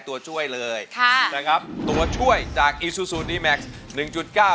ตัวช่วยเลยค่ะนะครับตัวช่วยจากอีซูซูดีแม็กซ์หนึ่งจุดเก้า